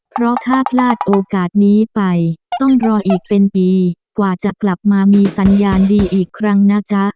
เพราะถ้าพลาดโอกาสนี้ไปต้องรออีกเป็นปีกว่าจะกลับมามีสัญญาณดีอีกครั้งนะจ๊ะ